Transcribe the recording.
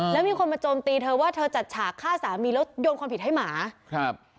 แล้วมีคนมาโจมตีเธอว่าเธอจัดฉากฆ่าสามีแล้วโยนความผิดให้หมาครับ